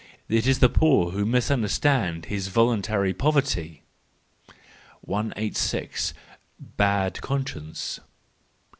—It is the poor who misunderstand his voluntary poverty. 186. Bad Conscience